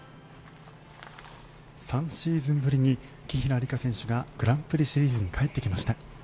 ３シーズンぶりに紀平梨花選手がグランプリシリーズに帰ってきました。